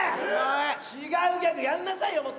違うギャグやんなさいよもっと！